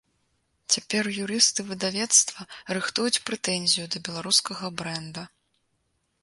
Цяпер юрысты выдавецтва рыхтуюць прэтэнзію да беларускага брэнда.